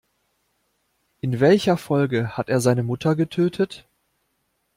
In welcher Folge hat er seine Mutter getötet?